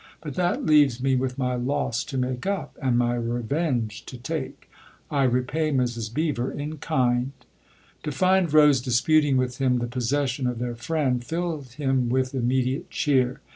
But that leaves me with my loss to make up and my revenge to take I repay Mrs. Beever in kind." To find Rose disputing with him the possession of their friend filled him with imme diate cheer.